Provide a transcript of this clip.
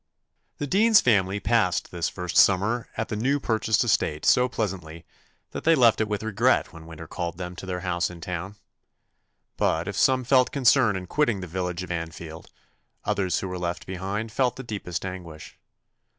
The dean's family passed this first summer at the new purchased estate so pleasantly, that they left it with regret when winter called them to their house in town. But if some felt concern in quitting the village of Anfield, others who were left behind felt the deepest anguish.